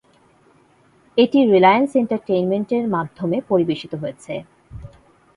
এটি রিলায়েন্স এন্টারটেইনমেন্টের মাধ্যমে পরিবেশিত হয়েছে।